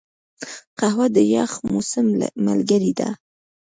قهوه د یخ موسم ملګرې ده